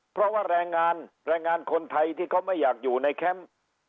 เพราะว่าแรงงานแรงงานคนไทยที่เขาไม่อยากอยู่ในแคมป์